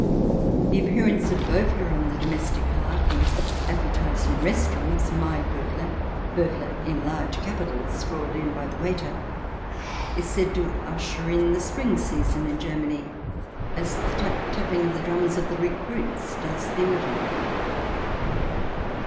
The appearance of Bowie on the domestic hearth and advertised in restaurants — Mai Bowie — Bowie, in large capitals scrawled in by the waiter, is said to usher in the spring season in Germany, as the tap tapping of the drums of the recruits does the autumn.